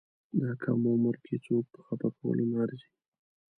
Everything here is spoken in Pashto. دا کم عمر کې څوک په خپه کولو نه ارزي.